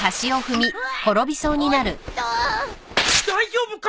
大丈夫か！